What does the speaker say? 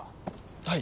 はい。